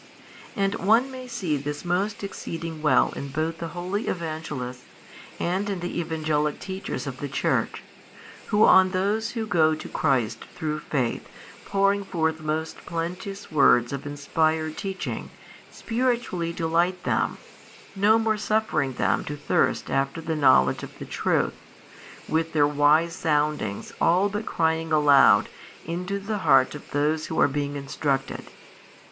And one may see this most exceeding well in both the holy Evangelists and in the Evangelic teachers of the church, who on those who go to Christ through |545 faith pouring forth most plenteous word of inspired teaching, spiritually delight them, no more suffering them to thirst after the knowledge of the truth, with their wise soundings all but crying aloud into the heart of those who are being instructed.